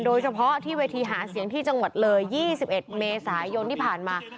โดยเฉพาะที่เวทีหาเสียงที่จังหวัดเลย๒๑เมษายนที่ผ่านมา